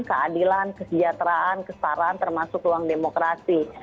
keadilan kesejahteraan kestaraan termasuk ruang demokrasi